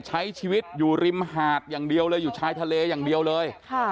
ใช้ชีวิตอยู่ริมหาดอยู่ชายทะเลอยู่อย่างเดียวเลย